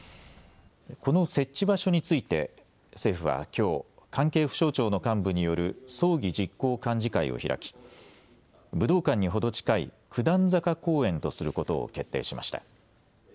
この設置場所について政府はきょう関係府省庁の幹部による葬儀実行幹事会を開き武道館に程近い九段坂公園とすることを決定しました。